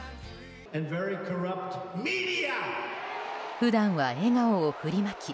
普段は笑顔を振りまき